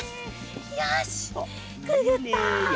よしくぐった！